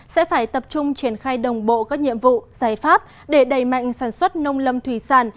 sẽ phải tập trung triển khai đồng bộ các nhiệm vụ giải pháp để đẩy mạnh sản xuất nông lâm thủy sản